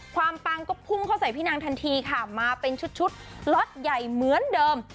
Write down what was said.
ปังก็พุ่งเข้าใส่พี่นางทันทีค่ะมาเป็นชุดล็อตใหญ่เหมือนเดิม